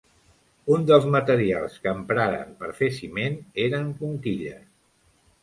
Un dels materials que empraren per fer ciment eren conquilles.